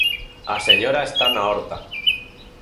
_A señora está na horta.